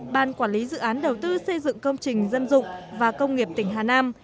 ban quản lý dự án đầu tư xây dựng công trình dân dụng và công nghiệp tỉnh hà nam